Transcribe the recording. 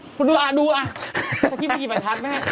สะพรีควินตะกรี๊มไม่ทักแม่